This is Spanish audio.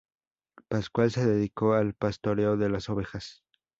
Pascual se dedicó al pastoreo de las ovejas.